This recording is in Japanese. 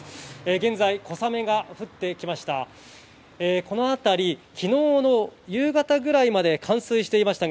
現在、小雨が降ってきました。